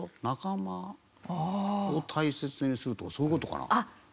仲間を大切にするとかそういう事かな？